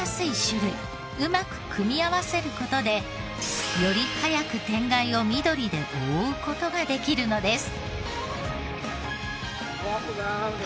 うまく組み合わせる事でより早く天蓋を緑で覆う事ができるのです。